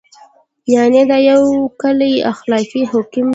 یعنې دا یو کلی اخلاقي حکم دی.